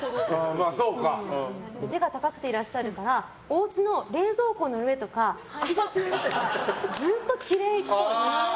背が高くていらっしゃるからおうちの冷蔵庫の上とか引き出しの上とかずっときれいっぽい。